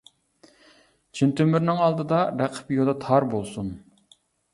چىن تۆمۈرنىڭ ئالدىدا، رەقىب يولى تار بولسۇن.